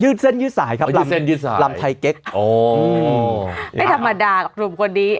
เส้นยืดสายครับลำเส้นยืดสายลำไทยเก๊กอ๋อไม่ธรรมดากับหนุ่มคนนี้